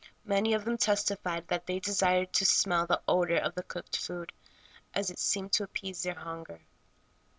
Many of them testified that they desired to smell the odor of the cooked food, as it seemed to appease their hunger.